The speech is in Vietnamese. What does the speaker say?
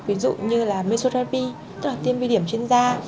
ví dụ như là mesotherapy tức là tiêm bi điểm trên da